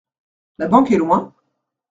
La banque est loin ?